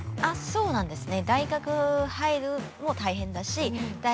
そうなんですね。